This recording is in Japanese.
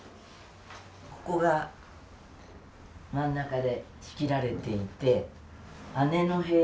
ここが真ん中で仕切られていて姉の部屋